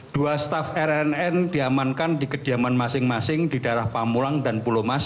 dua staff rnn diamankan di kediaman masing masing di daerah pamulang dan pulau mas